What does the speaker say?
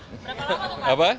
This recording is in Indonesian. berapa lama pak